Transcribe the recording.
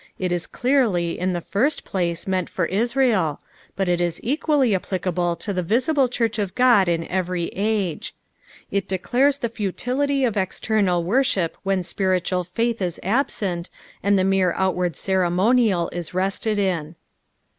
It is clearly, in the first place, meant for Israel ; but is ei^uall; applicable to the visible church of Ood in every ago. It declares the futility of external worship when spiritual faith is absent, and the mere outward ceremonial is rested in.